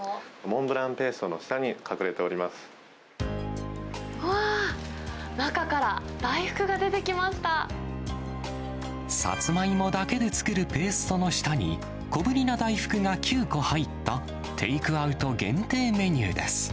モンブランペーストの下に隠わー、中から大福が出てきまさつまいもだけで作るペーストの下に、小ぶりな大福が９個入ったテイクアウト限定メニューです。